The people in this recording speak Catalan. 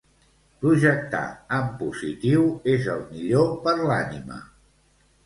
Projectar en positiu és el millor per l'ànima